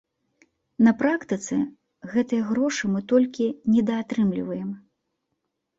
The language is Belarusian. На практыцы гэтыя грошы мы толькі недаатрымліваем.